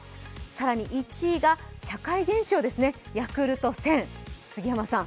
更に１位が社会現象ですね、ヤクルト１０００、杉山さん。